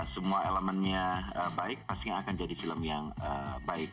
semua elemennya baik pasti akan jadi film yang baik